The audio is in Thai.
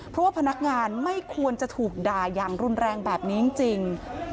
เพราะว่าพนักงานไม่ควรจะถูกด่าอย่างรุนแรงแบบนี้จริง